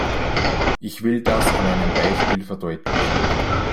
Ich will das an einem Beispiel verdeutlichen.